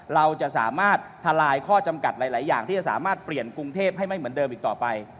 เราจะสามารถทลายข้อจำกัดหลายอย่างที่จะสามารถเปลี่ยนกรุงเทพให้ไม่เหมือนเดิมอีกต่อไป